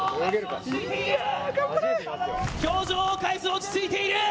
表情を変えず落ち着いている。